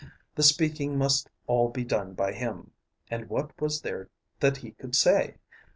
The speaking must all be done by him, and what was there that he could say?